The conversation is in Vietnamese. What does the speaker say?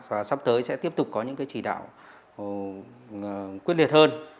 và sắp tới sẽ tiếp tục có những cái chỉ đạo quyết liệt hơn